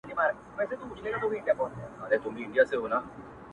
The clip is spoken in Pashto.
سل یې نوري ورسره وې سهیلیاني،